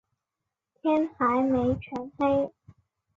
天还没全黑